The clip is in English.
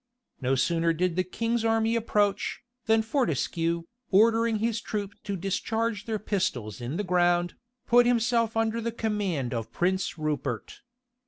No sooner did the king's army approach, than Fortescue, ordering his troop to discharge their pistols in the ground, put himself under the command of Prince Rupert.